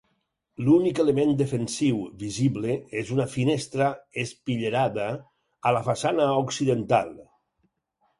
L'únic element defensiu visible és una finestra espitllerada a la façana occidental.